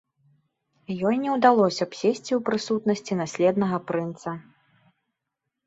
Ёй не ўдалося б сесці ў прысутнасці наследнага прынца.